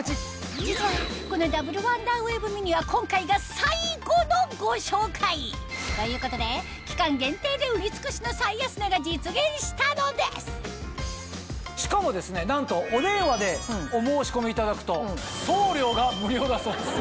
実はこのダブルワンダーウェーブミニは今回がということで期間限定で売り尽くしの最安値が実現したのですしかもですねなんとお電話でお申し込みいただくと送料が無料だそうです。